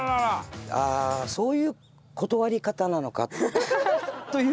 ああそういう断り方なのかという。